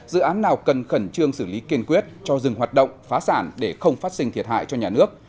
dự án nào cần khẩn trương xử lý kiên quyết cho dừng hoạt động phá sản để không phát sinh thiệt hại cho nhà nước